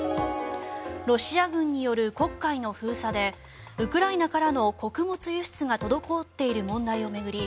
ロシア軍による黒海の封鎖でウクライナからの穀物輸出が滞っている問題を巡り